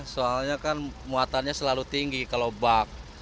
soalnya kan muatannya selalu tinggi kalau bak